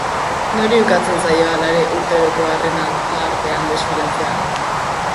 Nori ukatzen zaio, halere, urteroko arren alardean desfilatzea?